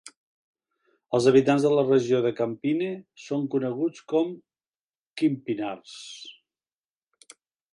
Els habitants de la regió de Campine són coneguts com "Kempenaars".